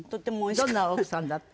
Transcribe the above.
どんな奥さんだった？